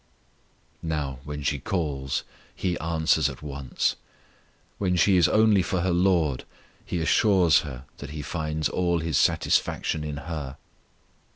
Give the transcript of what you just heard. Now, when she calls, He answers at once. When she is only for her LORD, He assures her that He finds all His satisfaction in her.